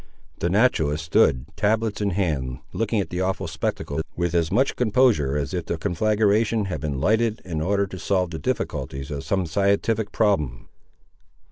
The naturalist stood, tablets in hand, looking at the awful spectacle with as much composure as if the conflagration had been lighted in order to solve the difficulties of some scientific problem.